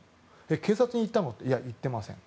警察に行ったの？って行っていません。